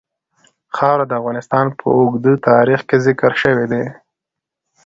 خاوره د افغانستان په اوږده تاریخ کې ذکر شوی دی.